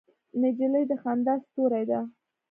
نجلۍ د خندا ستورې ده.